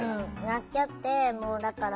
なっちゃってもうだから